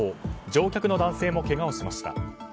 乗客の男性もけがをしました。